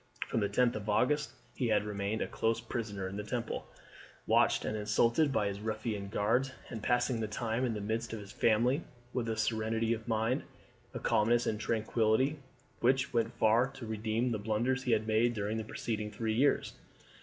From the 10th of August he had remained a close prisoner in the Temple, watched and insulted by his ruffian guards, and passing the time in the midst of his family with a serenity of mind, a calmness, and tranquility which went far to redeem the blunders he had made during the preceding three years.